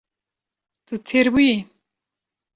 Tu têr bûyî?